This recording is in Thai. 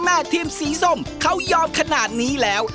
แม่ทีมสีส้มเขายอมขนาดนี้แล้ว